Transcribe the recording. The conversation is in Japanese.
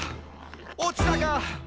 落ちたか！」